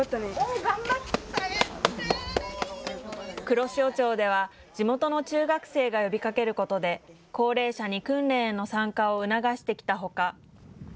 黒潮町では、地元の中学生が呼びかけることで、高齢者に訓練への参加を促してきたほか。